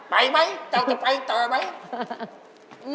ไปไหมเราจะไปต่อไหม